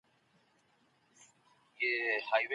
ذهني فشار د ځان باور کموي.